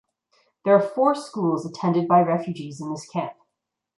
There are four schools attended by refugees in this camp.